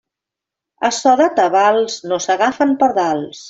A so de tabals no s'agafen pardals.